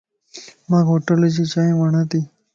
مانک ھوٽل جي چائين وڻ تي